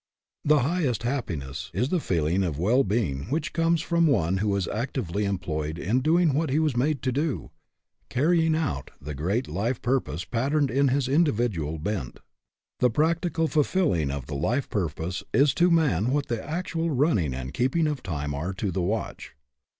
The highest happiness is the feeling of well being which comes to one who is actively em ployed in doing what he was made to do; carrying out the great life purpose patterned in his individual bent. The practical fulfilling of the life purpose is to man what the actual run ning and keeping time are to the watch.